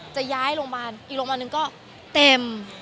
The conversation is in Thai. จะย้ายโรงพยาบาลอีกโรงพยาบาลหนึ่งก็เต็ม